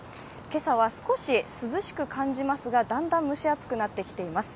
今朝は少し涼しく感じますがだんだん蒸し暑くなってきています。